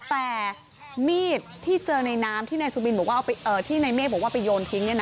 แต่มีดที่เจอในน้ำที่นายสุบินบอกว่าที่นายเมฆบอกว่าไปโยนทิ้ง